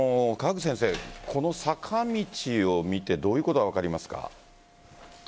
これ、坂道を見てどういうことが分かりますか？